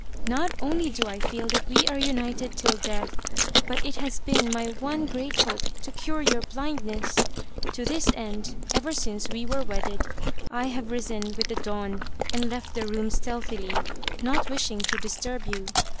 Not only do I feel that we are united till death, but it has been my one great hope to cure your blindness. To this end, ever since we were wedded, I have risen with the dawn and left the room stealthily, not wishing to disturb you.